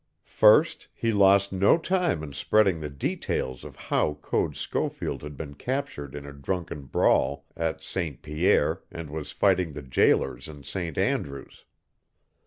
First he lost no time in spreading the details of how Code Schofield had been captured in a drunken brawl at St. Pierre and was fighting the jailers in St. Andrew's.